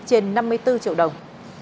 tổng số tiền năm mươi bốn triệu đồng